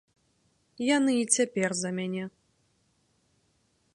Яны і цяпер за мяне.